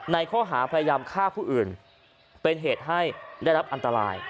ในข้อหาพยายามฆ่าผู้อื่นเป็นเหตุให้ได้รับอันตราย